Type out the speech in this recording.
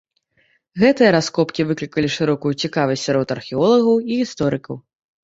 Гэтыя раскопкі выклікалі шырокую цікавасць сярод археолагаў і гісторыкаў.